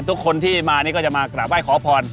ทุกคนที่มานี่ก็จะมากราบไหว้ขอพร